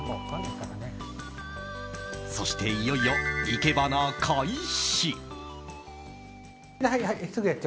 そして、いよいよ生け花開始。